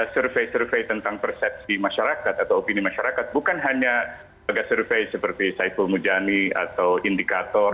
survei survei tentang persepsi masyarakat atau opini masyarakat bukan hanya survei seperti saiful mujani atau indikator